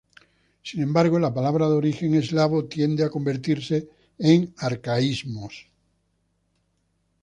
Sin embargo, las palabras de origen eslavo tienden a convertirse en arcaísmos.